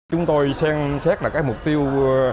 chúng tôi xem xét là cái mục tiêu